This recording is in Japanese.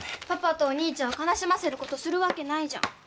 パパとお兄ちゃんを悲しませることするわけないじゃん。